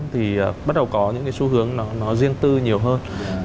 thì bắt đầu có những cái xu hướng là nó riêng tư nhiều hơn